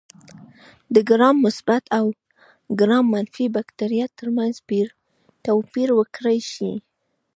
د ګرام مثبت او ګرام منفي بکټریا ترمنځ توپیر وکړای شي.